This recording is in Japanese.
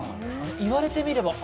言われてみれば、あ！